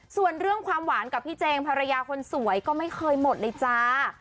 ส่วนเรื่องความหวานกับพี่เจงภรรยาคนสวยก็ไม่เคยหมดเลยจ้า